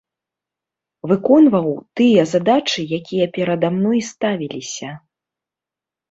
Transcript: Выконваў тыя задачы, якія перада мной ставілася.